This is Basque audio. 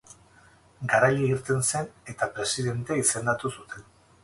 Garaile irten zen, eta presidente izendatu zuten.